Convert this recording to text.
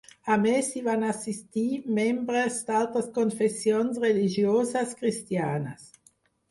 A més, hi van assistir membres d'altres confessions religioses cristianes.